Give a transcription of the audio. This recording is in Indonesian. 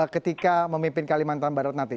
ketika memimpin kalimantan barat nanti